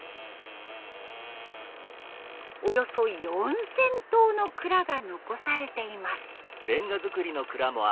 およそ４，０００棟の蔵が残されています。